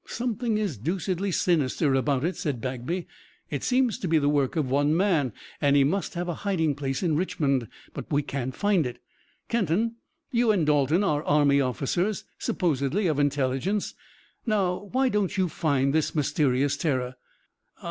"Something is deucedly sinister about it," said Bagby. "It seems to be the work of one man, and he must have a hiding place in Richmond, but we can't find it. Kenton, you and Dalton are army officers, supposedly of intelligence. Now, why don't you find this mysterious terror?